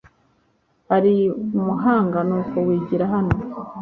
Uri umuhanga nuko wigira hano .